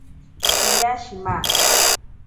Piya shima.